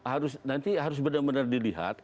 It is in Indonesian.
harus nanti harus benar benar dilihat